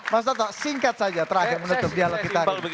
mas toto singkat saja terakhir menutup dialog kita